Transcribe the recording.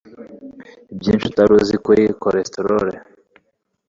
Byinshi utari uzi kuri Cholesterol